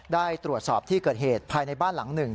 ได้ตรวจสอบที่เกิดเหตุภายในบ้านหลังหนึ่ง